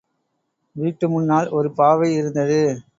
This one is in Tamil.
வீட்டு முன்னால் ஒரு பாவை இருந்தது.